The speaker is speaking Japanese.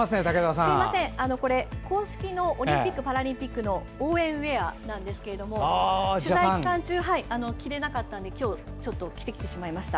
これ、公式のオリンピック・パラリンピックの応援ウエアなんですけども取材期間中、着れなかったので今日着てきてしまいました。